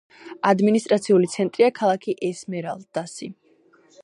ადმინისტრაციული ცენტრია ქალაქი ესმერალდასი.